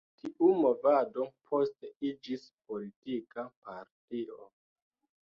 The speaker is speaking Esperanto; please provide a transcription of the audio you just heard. Tiu movado poste iĝis politika partio.